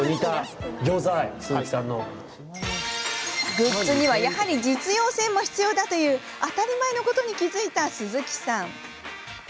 グッズにはやはり実用性も必要だという当たり前のことに気付いた鈴木さん。